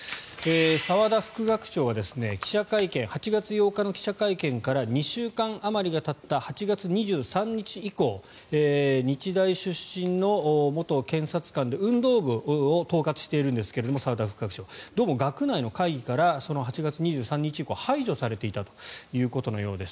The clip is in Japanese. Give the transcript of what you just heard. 澤田副学長は８月８日の記者会見から２週間あまりがたった８月２３日以降日大出身の元検察官で澤田副学長は運動部を統括しているんですがどうも学内の会議からその８月２３日以降排除されていたということのようです。